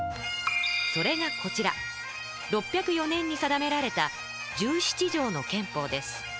それがこちら６０４年に定められた「十七条の憲法」です。